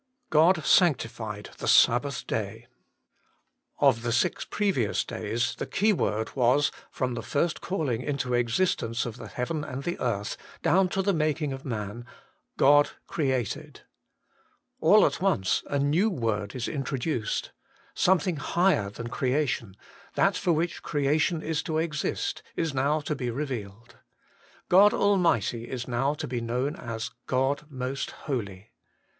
1. God sanctified the Sabbath day. Of the previous six days the keyword was, from the first calling into existence of the heaven and the earth, down to the making of man : God created. All at once a new word and a new work of God, is intro duced : God sanctified. Something higher than creation, that for which creation is to exist, is now to be revealed ; God Almighty is now to be known as God Most Holy.